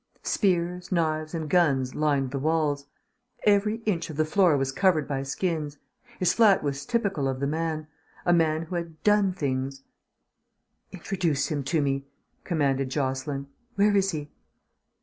Spears, knives, and guns lined the walls; every inch of the floor was covered by skins. His flat was typical of the man a man who had done things. "Introduce him to me," commanded Jocelyn. "Where is he?"